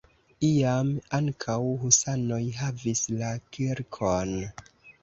Iam ankaŭ husanoj havis la kirkon.